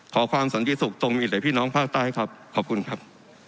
ขอความสนิทสุขตรงมีเด็กพี่น้องภาคใต้ครับขอบคุณครับ